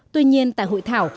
tuy nhiên tại hội thảo